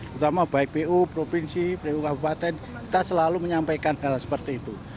terutama baik pu provinsi pu kabupaten kita selalu menyampaikan hal seperti itu